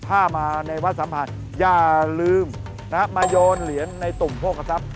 ถ้ามาในวัดสัมผัสอย่าลืมมาโยนเหรียญในตุ่มโภคทรัพย